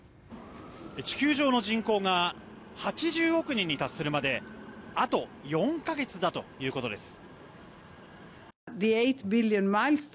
地球上の人口が８０億人に達するまであと４か月だということです。